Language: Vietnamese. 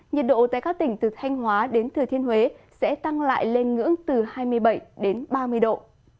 nhiệt độ tại các tỉnh từ thanh hóa đến thừa thiên huế sẽ tăng lại lên ngưỡng từ hai mươi bảy đến ba mươi độ